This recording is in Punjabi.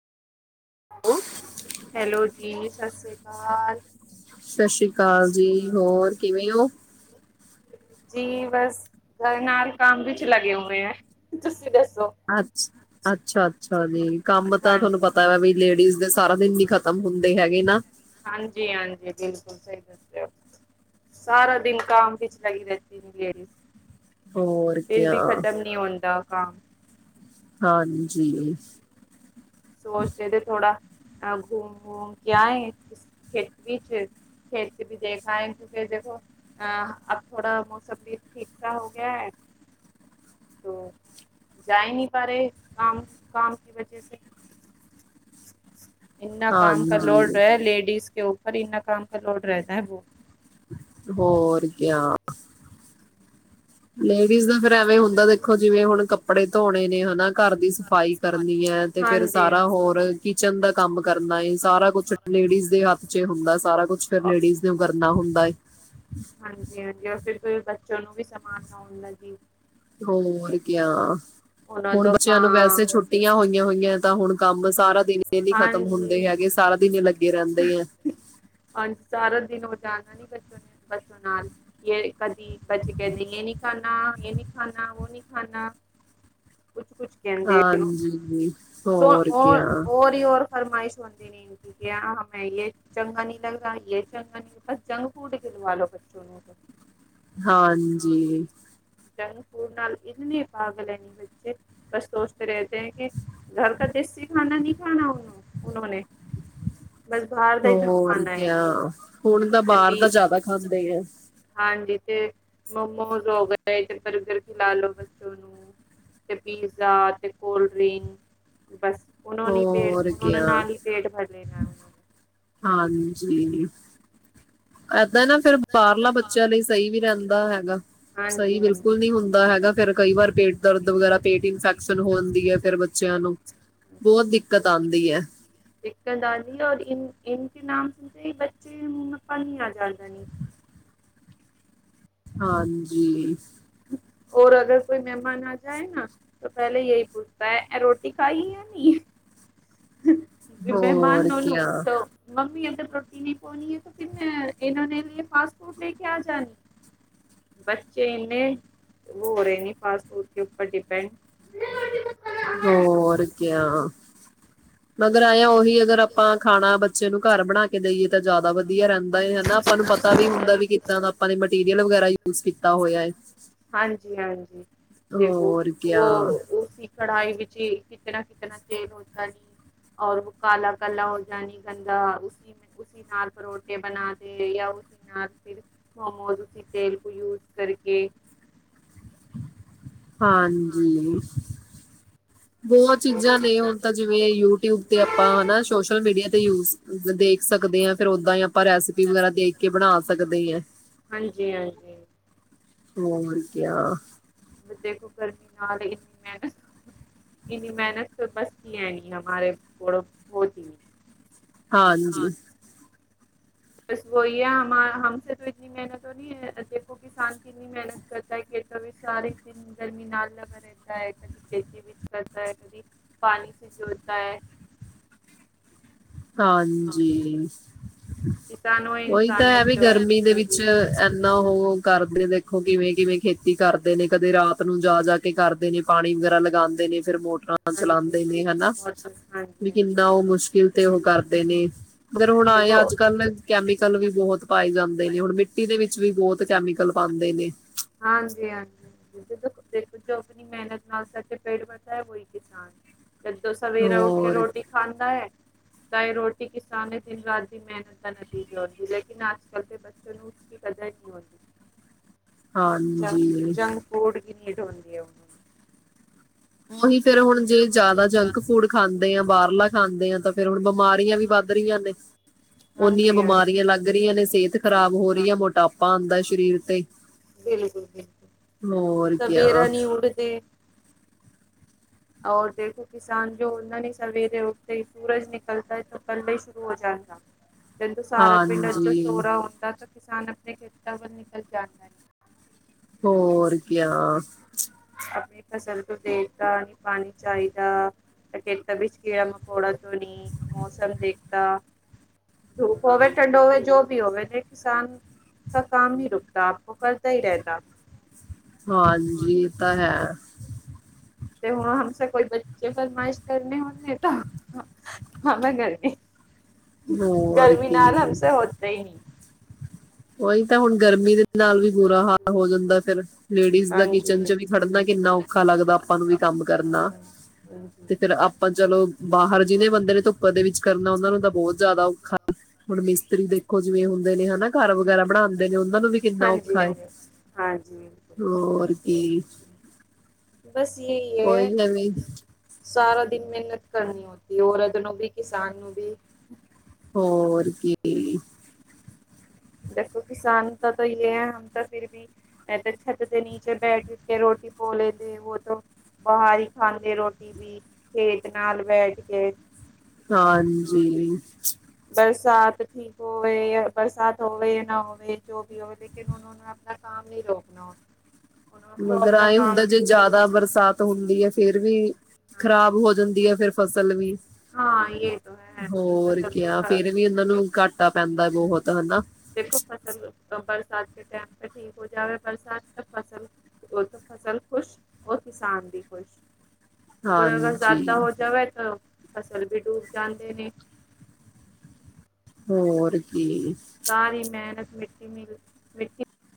ਹੈਲੋ, ਹੈਲੋ ਜੀ ਸਤਿ ਸ੍ਰੀ ਅਕਾਲ। ਸਤਿ ਸ੍ਰੀ ਅਕਾਲ ਜੀ ਹੋਰ ਕਿਵੇਂ ਔ। ਜੀ ਬਸ ਘਰ ਨਾਲ ਕੰਮ ਵਿੱਚ ਲਗੇ ਹੋਏ ਏ ਤੁਸੀਂ ਦੱਸੋ। ਅੱਛ ਅੱਛਾ-ਅੱਛਾ ਜੀ। ਕੰਮ ਤਾਂ ਤੁਹਾਨੂੰ ਪਤਾ ਵੀ ਲੇਡੀਜ਼ ਦੇ ਸਾਰਾ ਦਿਨ ਨੀ ਖ਼ਤਮ ਹੁੰਦੇ ਹੈਗੇ ਨਾ। ਹਾਂਜੀ-ਹਾਂਜੀ ਜੀ ਬਿਲਕੁਲ ਸਇ ਦਸੇ ਅੋ। ਸਾਰਾ ਦਿਨ ਕਮ ਵਿੱਚ ਲਗੀ ਰੇਂਦੀ ਏ ਲੇਡਿਸ ਹੋਰ ਫਿਰ ਕਿਆ ਭੀ ਖਤਮ ਨੀ ਹੁੰਦਾ ਕੰਮ। ਹਾਂਜੀ। ਸੋਚਦੇ ਤੇ ਥੋੜਾ ਅ ਘੂਮ ਵੂਮ ਕੇ ਆਏ ਇਸ ਖੇਤੀ ਚ। ਖੇਤੀ ਭੀ ਦੇਖ ਆਏ ਕਿਉਂਕਿ ਦੇਖੋ ਅ ਅਬ ਥੋੜਾ ਮੌਸਮ ਵੀ ਠੀਕ ਸਾ ਹੋ ਗਿਆ ਹੈ। ਤੋਂ ਜਾ ਇ ਨੀ ਪਾ ਰੇ ਕਾਮ, ਕਾਮ ਕੀ ਵਜੈ ਸੇ। ਇੰਨਾ ਕਾਮ ਕਾ ਲੋਡ ਹਾਂਜੀ ਰੇਅ ਲੇਡੀਜ਼ ਕੇ ਉੱਪਰ, ਇੰਨਾ ਕਾਮ ਕਾ ਲੋਡ ਰਹਤਾ ਹੈ। ਹੋਰ ਕੇਆ। ਲੇਡੀਸ ਦਾ ਫੇਿਰ ਐਵੇਂ ਹੁੰਦਾ ਦੇਖੋ ਜਿਵੇਂ ਹੁਣ ਕੱਪੜੇ ਧੋਣੇ ਨੇ ਹਨਾ। ਘਾਰ ਦੀ ਸਫ਼ਾਈ, ਕਰਨੀ ਏ ਤੇ ਫੇਰ ਸਾਰਾ ਹੋਰ ਕਿਚਨ ਦਾ ਕੰਮ ਕਰਨਾ ਏਂ ਸਾਰਾ ਕੁਛ ਸ ਲੇਡੀਜ਼ ਦੇ ਹੱਥ ਚ ਹੁੰਦਾ ਸਾਰਾ ਕੁਛ ਫੇਿਰ ਲੇਡੀਜ਼ ਨੂੰ ਕਰਨਾ ਹੁੰਦਾ ਏ। ਹਾਂਜੀ-ਹਾਂਜੀ ਫਿਰ ਤੇ ਬੱਚਿਆਂ ਨੂੰ ਵੀ ਸਮਾਲਨਾ ਹੁੰਦੈ ਜੀ। ਹੋਰ ਕੀ ਆ ਉਹਨਾਂ ਹੁਣ ਦਾ ਬੱਚਿਆਂ ਕਾਂ ਨੂੰ ਵੈਸੇ ਛੁੱ ਟੀਆਂ ਹੋਈਏ ਹੋਈਏ ਤਾਂ ਹੁਣ ਕੰਮ ਸਾਰਾ ਦਿਨ ਨੀ ਖਤਮ ਹੁੰਦੇ ਹੈਗੇ ਸਾਰਾ ਦਿਨ ਲੱਗੇ ਰੇਂਦੇ ਏ। ਹਾਂਜੀ ਸਾਰਾ ਦਿਨ [inaudible] ਯੇ ਕਦੀ ਬੱਚੇ ਕੇਨਦੇ ਯੇ ਨੀ ਖਾਣਾ ਯੇ ਨੀ ਖਾਣਾ ਵੋ ਨੀ ਖਾਣਾ। ਕੁਛ-ਕੁਛ। ਹਾਂਜੀ ਹੋਰ ਕੇਆ ਹੋਰ ਇ ਹੋਰ ਫਰਮਾਇਸ਼ ਹੁੰਦੀ ਨੀ ਤਾਂ ਹਮੇ ਯ ਚੰਗਾ ਨੀ ਲਗਦਾ ਯ ਚੰਗਾ ਨ ਬਸ ਜੰਕ ਫੂਡ ਖਿਲਵਾ ਲੋ ਬੱਚੋ ਨੂੰ। [unintelligible] ਹਾਂਜੀ। ਜੰਕ ਫੂਡ ਨਾਲ ਇੰਤਨੇ ਪਾਗਲ ਏਣੀ ਬੱਚੇ ਬਸ ਸੋਚਤੇ ਰੇਤੇ ਏ ਕੀ। ਘਰ ਕਾ ਦੇਸੀ ਖਾਨਾ ਨੀ ਖਾਣਾ ਉਨੋ ਨੇ ਹੋਰ ਕੇਆ ਹੁਣ ਤਾਂ ਤੇ ਬਾਹਰ ਪੀ ਦਾ ਜ਼ਿਆਦਾ ਖਾਂਦੇ ਏ। ਹਾਂਜੀ ਤੇ ਮੋਮੋਸ ਹੋ ਗਏ ਤੇ [inaudible] ਬੱਚੋ ਨੂੰ ਤੇ ਪੀਜ਼ਾ, ਤੇ ਕੋਲ ਡ੍ਰਿੰਕ ਬਸ। ਉਨੋ ਨੀ ਤੇ ਹੋਰ ੳਨਾਂ ਨੇ ਕਿਆ ਨਾਲ ਇ ਪੇਟ ਭਰ ਲੇਆ ਹਾਂਜੀ। ਏਦਾਂ ਏ ਨਾ ਫਿਰ ਬਾਰਲਾ ਬੱਚਿਆਂ ਲਈ ਸਹੀ ਵੀ ਰਹਿੰਦਾ ਹੈਗਾ। ਸ ਹਾਂਜੀ ਸਹੀ ਹਾਂਜੀ ਬਿਲਕੁਲ ਨੀ ਹੁੰਦਾ ਹੈਗਾ। ਫੇਰ ਕਈ ਵਾਰ ਪੇਟ ਦਰਦ ਵਗੈਰਾ ਪੇਟ ਇਨਫੈਕਸ਼ਨ ਹੋਂਦੀ ਏ ਫਿਰ ਬੱਚਿਆਂ ਨੂੰ। ਬੋਤ ਦਿੱਕਤ ਆਂਦੀ ਐ। ਇੱਕਕਾ ਦਦੀ ਰ ਇ ਇਨ ਕੇ ਨਾਮ ਸੁਣਦੇ ਬੱਚੇ ਮ ਪਾ ਨੀ ਆ ਜਾਂਦਾ ਨਹੀਂ [unintelligible] ਹਾਂਜੀ ਔਰ ਅਗਰ ਕੋਈ ਮਹਿਮਾਨ ਆ ਜਾਏ ਨਾ ਤਾਂ ਪੈਲੇ ਏਹੀ ਪੁੱਛਤਾ ਏ ਰੋਟੀ ਖਾਈ ਹੈ ਨਹੀਂ। ਮਹਿਮਾਨ ਹੋਰ ਨਲੂੰ ਕਿਆ ਤ ਮੰਮੀ ਏਧਰ ਰੋਟੀ ਨੀ ਪਾਉਣੀ ਹੈ ਤੇ ਫਿਰ ਮੈ ਇਹਨਾਂ ਨੇ ਫਾਸਟ ਫੂਡ ਲੈ ਕੇ ਆ ਜਾਣੀ ਬੱਚੇਨੇ ਉਹ ਹੋ ਰਹੇ ਨ ਫਾਸਟ ਫੂਡ ਕੇ ਉੱਪਰ ਡਿਪੈਂਡ। ਹੋਰ ਕੇਆ? [inaudible] ਮਗਰ ਐਏਆ ਉਹੀ ਅਗਰ ਆਪਾਂ ਖਾਣਾ ਬੱਚੇ ਨੂੰ ਘਰ ਬਣਾ ਕੇ ਦੇਈਏ ਤਾਂ ਜ਼ਿਆਦਾ ਵਧੀਆ ਰਹਿੰਦਾ ਹਨਾ ਆਪਾਂ ਨੂੰ ਪਤਾ। ਤਾਂ ਵੀ ਹੁੰਦਾ ਵੀ ਕਿੱਦਾਂ ਦਾ ਆਪਾਂ ਨੇ ਮਟੀਰੀਅਲ ਵਗੈਰਾ ਯੂਜ ਕੀਤਾ ਹੋਇਆ ਹੈ। ਹਾਂਜੀ- ਹਾਂਜੀ ਦੇਖੋ ਹੋਰ ਕਿਆ ਵੋ ਉਸੀ। ਕੜਾਈ ਵਿੱਚ ਈ ਕਿਤਨਾ ਕਿਤਨਾ ਤੇਲ ਹੋਨ ਕਰਕੇ ਔਰ ਉਹ ਕਾਲਾ- ਕਾਲਾ ਹੁੰਦਾ ਨੀ ਗੰਦਾ ਉਸੀ। ਉਸੀ ਨਾਲ ਪਰੋਠੇ ਬਣਾ ਦੇ ਜਾਂ ਉਸ ਨਾਲ ਫਿਰ। ਮੋਮੋਜ਼ ਉਸੀ ਤੇਲ ਕੋ ਯੂਜ ਕਰਕੇ। ਹਾਂਜੀ ਬਹੁਤ ਚੀਜ਼ਾਂ ਨੇ ਹੁਣ ਤਾਂ ਜਿਵੇਂ, ਯੂਟਿਊਬ ਤੇ ਆਪਾਂ ਹਨਾ ਸੋਸ਼ਲ ਮੀਡੀਆ ਤੇ ਯੂਜ। ਦੇਖ ਸਕਦੇ ਹਾਂ, ਫੇਰ ਓਦਾਂ ਹੀ ਆਪਾਂ ਰੈਸਪੀ ਵਗ਼ੈਰਾ ਦੇਖ ਕੇ ਬਣਾ ਸਕਦੇ ਐ। ਹਾਂਜੀ ਹਾਂਜੀ ਹੋਰ ਕਯਾ? ਵਜੇ ਕੁਕਰ ਨਾਲ ਲਈ ਇੰਨੀ ਮਿਹਨਤ ਇੰਨੀ ਮਿਹਨਤ ਤਾਂ ਬਸ ਕੀ ਹੈ ਨੀ ਹਮਾਰੇ, ਕੋਲੋਂ ਹੋਤੀ ਹੀ ਨੀ। ਹਾਂਜੀ ਬਸ ਵਹੀ ਹੈ ਹਮ ਹਮਸੇ ਇਤਨੀ ਮੇਹਨਤ ਨਹੀ ਹੈ ਦੇਖੋ ਕਿਸਾਨ ਕੀ ਇਨੀ ਮਿਹਨਤ ਕਰਤਾ ਹੈ ਖੇਤਾਂ ਵਿੱਚ ਸਾਰੇ ਦਿਨ ਗਰਮੀ ਨਾਲ ਲਗਾ ਰਹਿਤਾ ਹੈ ਕ ਖੇਤੀ। ਕਰਦਾ ਹੈ ਕਦੀ, ਪਾਣੀ ਸੇ ਜੋਤਤਾ ਹੈ। ਹਾਂਜੀ, ਕਿਸਾਨੋ ਉਹੀ ਤਾਂ ਇਨਸਾਨ ਹੈ ਵੀ ਚੋ ਗਰਮੀ ਦੇ ਵਿੱਚ ਇੰਨਾ ਉਹ ਕਰਦੇ, ਦੇਖੋ ਕਿਵੇਂ ਕਿਵੇਂ ਖੇਤੀ ਕਰਦੇ ਨੇ, ਕਦੇ ਰਾਤ ਨੂੰ ਜਾ ਜਾ ਕੇ। ਤੇ ਕਰਦੇ ਨੇ ਪਾਣੀ ਵਗੈਰਾ ਲਗਾਂਦੇ ਨੇ ਫਿਰ ਮੋਟਰਾਂ। ਹੱਲ ਚਲਾਉਂਦੇ ਨੇ ਹਨਾ ਵੀ ਨੇ ਕਿੰਨਾ ਬਹੁਤ ਹਨਾ। ਉਹ ਮੁਸ਼ਕਿਲ। ਤੇ ਉਹ ਕਰਦੇ ਨੇ, ਫੇਰ ਹਾਂਜੀ ਹੁਣ ਤੇ ਆਏ ਅੱਜ ਕੱਲ ਕੈਮੀਕਲ ਵੀ ਬਹੁਤ ਪਾਏ ਜਾਂਦੇ ਨੇ, ਹੁਣ ਮਿੱਟੀ ਦੇ ਵਿੱਚ ਵੀ ਬਹੁਤ ਕੈਮੀਕਲ ਪਾਂਦੇ ਨੇ। ਹਾਂਜੀ ਹਾਂਜੀ ਦੇਖੋ ਜੋ ਆਪਣੀ ਮਿਹਨਤ ਨਾਲ ਸਬ ਦਾ ਪੇਟ ਭਰਦਾ ਹੈ, ਵੋਹੀ ਕਿਸਾਨ। ਜਦੋ ਸਵੇਰਾ ਉੱਠ ਕੇ ਹੋਰ ਰੋਟੀ ਖਾਂਦਾ ਹੈ। ਤਾਂ ਇਹ ਰੋਟੀ ਕਿਸਾਨ ਨੇ ਦਿਨ ਰਾਤ ਦੀ ਮਿਹਨਤ ਦਾ ਨਤੀਜਾ ਹੁੰਦੀ, ਲੇਕਿਨ ਅੱਜ ਕੱਲ ਦੇ ਬੱਚੇ ਨੂੰ ਕਦਰ ਨੀ ਹੁੰਦੀ। ਹਾਂਜੀ ਜੰਕ-ਜੰਕ ਫੂਡ ਕੀ ਨੀਡ ਹੋਂਦੀ ਹੈ ਓਹਨੂੰ। ਉਹੀ ਫੇਰ, ਹੁਣ ਜੇ ਜ਼ਿਆਦਾ ਜੰਕ ਫੂਡ ਖਾਂਦੇ ਆਂ, ਬਾਹਰਲਾ ਖਾਂਦੇ ਆਂ ਤਾਂ ਫੇਰ ਹੁਣ ਬਿਮਾਰੀਆਂ ਵੀ ਵੱਧ ਵੱਧ ਰਹੀਆਂ ਨੇ, ਓਨੀਆਂ ਹਾਂਜੀ ਹਾਂਜੀ ਬਿਮਾਰੀਆਂ ਲੱਗ ਰਹੀਆਂ ਨੇ ਸਿਹਤ ਖਰਾਬ ਹੋ ਰਹੀ ਹੈ, ਮੋਟਾਪਾ ਆਉਂਦਾ ਸ਼ਰੀਰ ਤੇ। ਬਿਲਕੁਲ ਬਿਲ। ਮੋਰ। ਸਵੇਰਾ ਨਹੀ ਉੱਡਦੇ। ਔਰ ਦੇਖੋ, ਕਿਸਾਨ ਜੋ ਹੁੰਦਾ ਨਹੀਂ ਸਵੇਰੇ ਉੱਠਤੇ ਹੀ ਸੂਰਜ ਨਿਕਲਦਾ ਹੈ ਤੋਂ ਕੱਲਾ ਹੀ ਸ਼ੁਰੂ ਹੋ ਜਾਂਦਾ। ਜਦੋਂ ਸਾਰਾ ਪਿੰਡ ਅਜੋਂ ਸੋ ਹਾਂਜੀ ਰਾ ਹੁੰਦਾ ਤਾਂ ਕਿਸਾਨ ਆਪਣੇ ਖੇਤਾਂ ਵੱਲ ਨਿਕਲ ਜਾਂਦਾ। ਹੋਰ ਕਿਆ? ਆਪਣੀ ਫਸਲ ਤੋਂ ਦੇਖਦਾ ਨੀ ਪਾਨੀ ਚਾਹੀਦਾ। ਏ ਖੇਤਾਂ ਵਿੱਚ ਕੀੜਾ, ਮਕੌੜਾ ਤੋਂ ਨੀ ਮੌਸਮ ਦੇਖਤਾ ਧੂਪ ਹੋਵੇ ਠੰਡ ਹੋਵੇ ਜੋ ਵੀ ਹੋਵੇ ਦੇ ਕਿਸਾਨ ਕਾ ਕਾਮ ਹੀ ਰੁਕਤਾ ਵੋ ਕਰਤਾ ਈ ਰਹਿਤਾ ਹਾਂਜੀ ਇਹ ਤਾਂ ਹੈ ਤੇ ਹੁਣ ਹਮਸੇ ਕੋਈ ਬੱਚੇ ਫਰਮਾਇਸ਼ ਕਰਨੇ ਹੁੰਦੇ ਤਾਂ ਹਾ ਮੇ ਗਰਮੀ, ਹੋਰ ਗਰਮੀ ਨਾਲ ਕੀ ਹਮਸੇ ਹੋਤੇ ਈ ਨਹੀਂ ਉਹੀ ਤਾਂ ਹੁਣ ਗਰਮੀ ਦੇ ਨਾਲ ਵੀ ਬੁਰਾ ਹਾਲ ਹੋ ਜਾਂਦਾ ਫਿਰ ਇਸ ਲੇਡੀਸ ਦਾ ਕਿਚਨ ਚ ਵੀ ਖੜਨਾ ਕਿੰਨਾ ਔਖਾ ਲੱਗਦਾ ਆਪਾਂ ਨੂੰ ਵੀ ਕੰਮ ਕਰਨਾ ਤੇ ਫੇਰ ਆਪਾਂ ਚਲੋ ਬਾਹਰ, ਜਿਹਨੇ ਬੰਦੇ ਨੇ ਧੁੱਪਾ ਦੇ ਵਿੱਚ ਕਰਨਾ, ਉਹਨਾ ਨੂੰ ਤਾਂ ਬਹੁਤ ਜ਼ਿਆਦਾ ਔਖਾ ਹੁਣ ਮਿਸਤਰੀ ਦੇਖੋ ਜਿਵੇਂ ਹੁੰਦੇ ਨੇ, ਹਨਾ ਘਰ ਵਗੈਰਾ ਬਣਾਦੇ ਨੇ ਉਹਨਾਂ ਨੂੰ ਵੀ ਕਿੰਨਾ ਹਾਂਜੀ ਔਖਾ ਹੈ ਆਜੀ, ਹਾਂਜੀ ਸਹੀ ਹੋਰ ਦਿਸਦੇ ਹੋ। ਕੀ ਬਸ ਇਹੀ ਐ। ਉਹੀ ਐਵੇਂ ਸਾਰਾ ਦਿਨ ਮਿਹਨਤ ਕਰਨੀ, ਹੋਦੀ ਔਰਤ ਨੂੰ ਵੀ, ਕਿਸਾਨ ਨੂੰ ਵੀ। ਹੋਰ ਕੀ। ਹੀਅ। ਦੇਖੋ ਕਿਸਾਨ ਤਾਂ ਸਹੀ ਐ, ਹਮ ਤਾਂ ਫਿਰ ਬੀ ਮੇ ਤੇ ਛੱਤ ਦੇ ਨੀਚੇ ਬੈਠ ਕੇ, ਰੋਟੀ ਪੋ ਲੇਦੀ ਉਹ ਤੋ ਬਾਹਰ ਹੀ ਖਾਂਦੇ ਰੋਟੀ ਵੀ, ਖੇਤ ਨਾਲ ਬੈਠ ਕੇ ਹਾਂਜੀ ਈ। ਬਰਸਾਤ ਠੀਕ ਹੋਵੇ ਜ ਬਰਸਾਤ ਹੋਵੇ, ਨਾ ਹੋਵੇ ਜੋ ਵੀ ਹੋਵੇ ਲੇਕਿਨ ਉਨੋ ਨੇ ਆਪਣਾ ਕਾਮ ਨੀ ਰੋਕਣਾ। ਮਗਰ ਆਇ ਹੁੰਦਾ, ਜੇ ਜ਼ਿਆਦਾ ਬਰਸਾਤ ਹੁੰਦੀ, ਐ ਫੇਰ ਵੀ ਖ਼ਰਾਬ ਹੋ ਜਾਂਦੀ, ਐ ਫਿਰ ਫਸਲ ਵੀ ਜੈਹ ਤੌ ਹੈ ਹੋਰ ਫਸਲ ਤੌ ਕਿਆ ਖਰਾ। ਫੇਰ ਵੀ ਉਹਨਾਂ ਨੂੰ, ਘਾਟਾ ਪੈਂਦਾ ਬਹੁਤ ਹੈਨਾ। ਦੇਖੋ ਫਸਲ ਆ, ਬਰਸਾਤ ਕੇ ਟਾਈਮ ਪੇ ਠੀਕ ਹੋ ਜਾਵੇ, ਬਰਸਾਤ ਤਾ ਫਸਲ। ਉਹ ਤਾਂ ਫ਼ਸਲ ਖੁਸ਼, ਉਹ ਕਿਸਾਨ ਵੀ ਖ਼ੁਸ਼। ਅਗਰ -ਅਗਰ, ਹਾਂਜੀ ਜਿਆਦਾ ਹੋ ਜਾਵੇ ਤਾਂ ਫਸਲ ਵੀ ਡੂਬ ਜਾਂਦੇ ਨੇ। ਹੋਰ ਕੀ? ਸਾਰੀ ਮਿਹਨਤ ਮਿੱਟੀ ਚ ਮਿਲ ਗਈ।